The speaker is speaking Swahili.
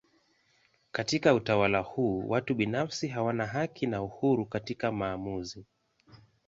Katika utawala huu watu binafsi hawana haki na uhuru katika maamuzi.